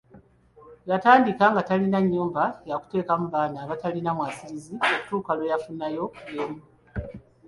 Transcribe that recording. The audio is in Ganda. Yatandika nga talina nnyumba yakuteekamu baana abatalina mwasiriza okutuuka lwe yafunayo emu.